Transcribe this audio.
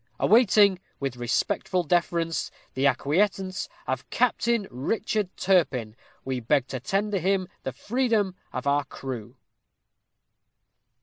Awaiting, with respectful deference, the acquiescence of Captain Richard Turpin, we beg to tender him the freedom of our crew."